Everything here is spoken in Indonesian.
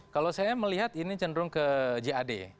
kalau saya melihat ini cenderung ke jad